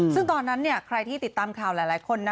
ซึ่งตอนนั้นใครที่ติดตามข่าวหลายคน